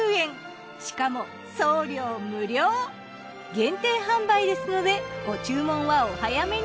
限定販売ですのでご注文はお早めに。